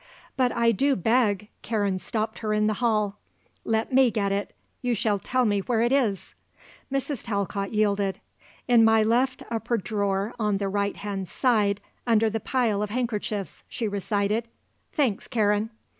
"But I do beg," Karen stopped her in the hall. "Let me get it. You shall tell me where it is." Mrs. Talcott yielded. "In my left top drawer on the right hand side under the pile of handkerchiefs," she recited. "Thanks, Karen."